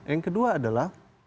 yang kedua adalah